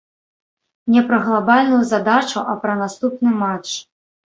Не пра глабальную задачу, а пра наступны матч.